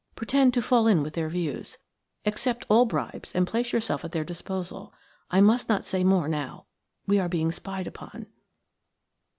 Pretend to fall in with their views. Accept all bribes and place yourself at their disposal. I must not say more now. We are being spied upon."